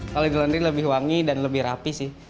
kalau di laundry lebih wangi dan lebih rapi sih